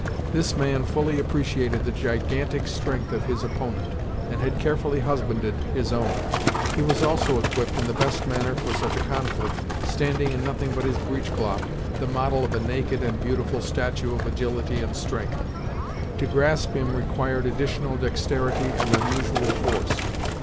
This man fully appreciated the gigantic strength of his opponent, and had carefully husbanded his own. He was also equipped in the best manner for such a conflict, standing in nothing but his breech cloth, the model of a naked and beautiful statue of agility and strength. To grasp him required additional dexterity and unusual force.